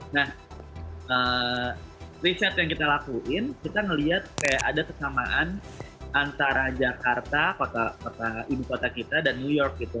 nah riset yang kita lakuin kita ngeliat kayak ada kesamaan antara jakarta kota ibu kota kita dan new york gitu